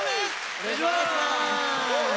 お願いします。